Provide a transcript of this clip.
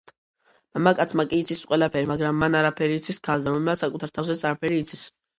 მამაკაცმა კი იცის ყველაფერი, მაგრამ მან არაფერი იცის ქალზე, რომელმაც საკუთარ თავზეც არაფერი იცის.